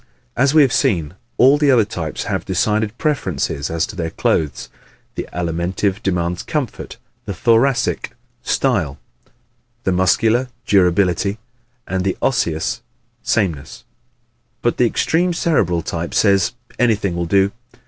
As we have seen, all the other types have decided preferences as to their clothes the Alimentive demands comfort, the Thoracic style, the Muscular durability and the Osseous sameness but the extreme Cerebral type says "anything will do."